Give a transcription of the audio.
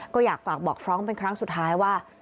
ก็อยากฝากบอกฟรองก์เป็นครั้งสุดท้ายว่า